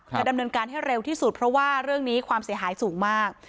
ดำเนินการให้เร็วที่สุดเพราะว่าเรื่องนี้ความเสียหายสูงมาก